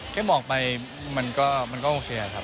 แค่บอกไปมันก็โอเค